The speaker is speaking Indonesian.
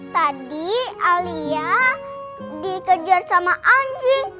tadi alia dikejar sama anjing